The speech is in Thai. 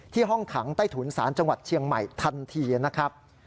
ห้องขังใต้ถุนศาลจังหวัดเชียงใหม่ทันทีนะครับ